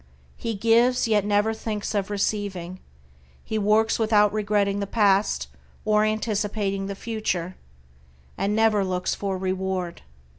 He gives, yet never thinks of receiving; he works without regretting the past or anticipating the future, and never looks for reward.